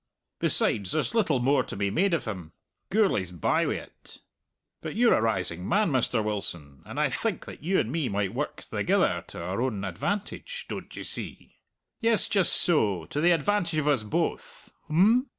Besides, there's little more to be made of him. Gourlay's bye wi't. But you're a rising man, Mr. Wilson, and I think that you and me might work thegither to our own advantage, don't ye see? Yes; just so; to the advantage of us both. Oom?"